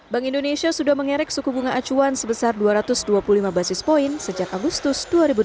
bank indonesia sudah mengerek suku bunga acuan sebesar dua ratus dua puluh lima basis point sejak agustus dua ribu delapan belas